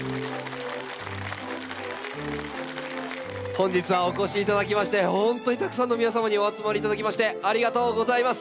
本日はお越しいただきまして本当にたくさんの皆様にお集まりいただきましてありがとうございます。